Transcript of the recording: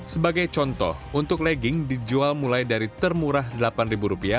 sebagai contoh untuk legging dijual mulai dari termurah rp delapan